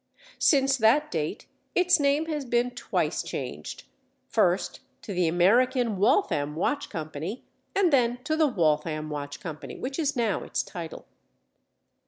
Since that date its name has been twice changed—first, to the American Waltham Watch Company, and then to the Waltham Watch Company, which is now its title.